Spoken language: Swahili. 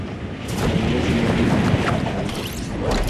Kuna miezi mingi katika anga-nje.